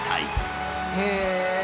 へえ！